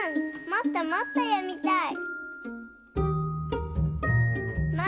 もっともっとよみたい。